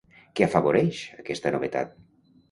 Què afavoreix aquesta novetat?